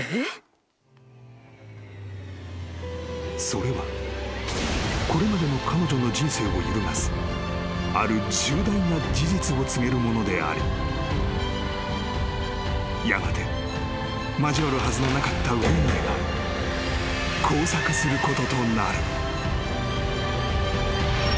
［それはこれまでの彼女の人生を揺るがすある重大な事実を告げるものでありやがて交わるはずのなかった運命が交錯することとなる］